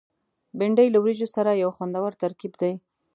بېنډۍ له وریجو سره یو خوندور ترکیب دی